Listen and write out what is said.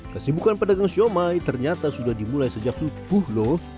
kesibukan pedagang siomay ternyata sudah dimulai sejak subuh loh